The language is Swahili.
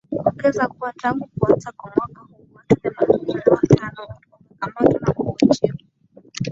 ongeza kuwa tangu kuanza kwa mwaka huu watu themanini na watano wamekamatwa na kuhojiwa